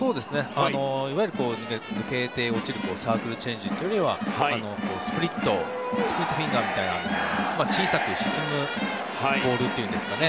いわゆる抜けて落ちるサークルチェンジというよりはスプリットフィンガーみたいな小さく沈むボールというんですかね。